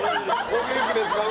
お元気ですか？